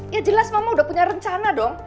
ya jelas mama udah punya rencana dong